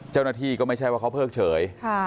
เจ้าหน้าที่ก็ไม่ใช่ว่าเขาเพิกเฉย